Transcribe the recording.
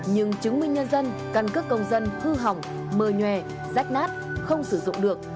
nhưng chứng minh nhân dân căn cước công dân hư hỏng mờ nhòe rách nát không sử dụng được